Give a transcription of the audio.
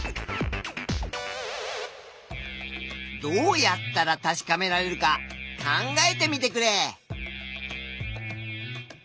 どうやったら確かめられるか考えてみてくれ。